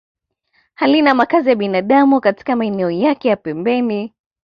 Halina makazi ya binadamu katika maeneo yake ya pembeni